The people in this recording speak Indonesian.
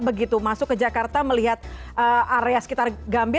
begitu masuk ke jakarta melihat area sekitar gambir